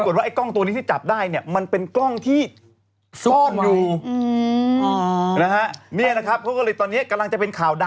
ก็คือคนนี้ใช่ไหมคนนี้เดินเข้ามานี่เห็นไหม